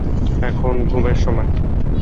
এখন ঘুমের সময়।